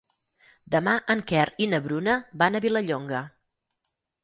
Demà en Quer i na Bruna van a Vilallonga.